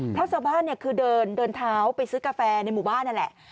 เพราะชาวบ้านคือเดินเท้าไปซื้อกาแฟในหมู่บ้านนั่นแหละ